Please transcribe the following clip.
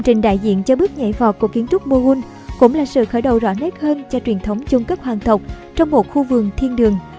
trình đại diện cho bước nhảy vọt của kiến trúc mughun cũng là sự khởi đầu rõ nét hơn cho truyền thống chôn cất hoàng thộc trong một khu vườn thiên đường